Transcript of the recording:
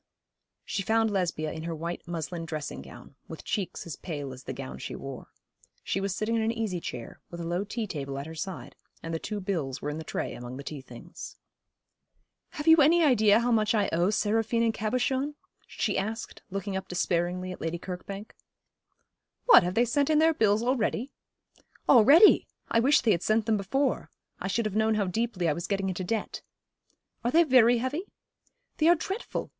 She found Lesbia in her white muslin dressing gown, with cheeks as pale as the gown she wore. She was sitting in an easy chair, with a low tea table at her side, and the two bills were in the tray among the tea things. 'Have you any idea how much I owe Seraphine and Cabochon?' she asked, looking up despairingly at Lady Kirkbank. 'What, have they sent in their bills already?' 'Already! I wish they had sent them before. I should have known how deeply I was getting into debt.' 'Are they very heavy?' 'They are dreadful!